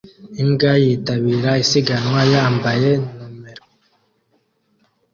Imbwa yitabira isiganwa yambaye numero